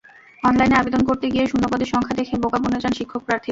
অনলাইনে আবেদন করতে গিয়ে শূন্যপদের সংখ্যা দেখে বোকা বনে যান শিক্ষক প্রার্থীরা।